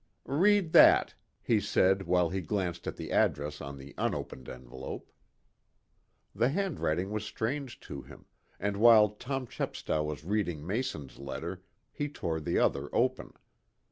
"Read that," he said, while he glanced at the address on the unopened envelope. The handwriting was strange to him, and while Tom Chepstow was reading Mason's letter he tore the other open.